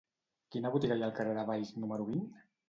Quina botiga hi ha al carrer de Valls número vint?